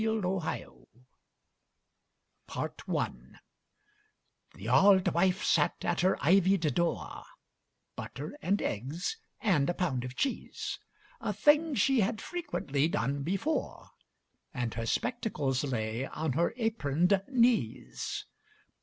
9 Autoplay PART I The auld wife sat at her ivied door, (Butter and eggs and a pound of cheese) A thing she had frequently done before; And her spectacles lay on her apronŌĆÖd knees.